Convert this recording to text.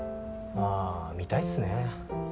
まあみたいっすね。